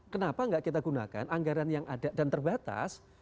kenapa tidak kita gunakan anggaran yang ada dan terbatas